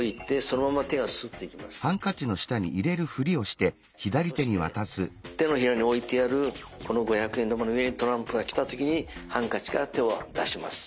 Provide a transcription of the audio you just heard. そして手のひらに置いてあるこの五百円玉の上にトランプが来た時にハンカチから手を出します。